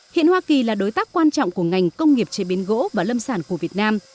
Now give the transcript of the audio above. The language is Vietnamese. hiện hoa kỳ là đối tác quan trọng của ngành công nghiệp chế biến gỗ và lâm sản của việt nam